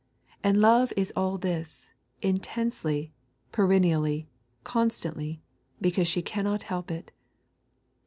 And Love ia all thie, intensely, peren nially, constantly, because ebe cannot help it.